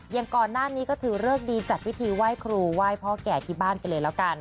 อย่างก่อนหน้านี้ก็ถือเลิกดีจัดพิธีไหว้ครูไหว้พ่อแก่ที่บ้านไปเลยแล้วกัน